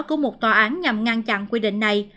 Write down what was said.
của một tòa án nhằm ngăn chặn quy định này